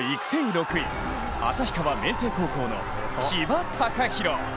６位旭川明成高校の千葉隆広。